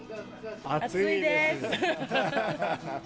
暑いです。